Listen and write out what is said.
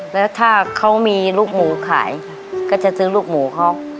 แล้วถ้าเขามีลูกหมูขายก็จะซื้อลูกหมูเขา